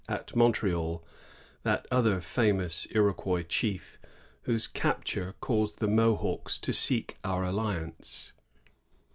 69 Montreal that other famous Iroquois chief, whose capture caused the Mohawks to seek our alliance.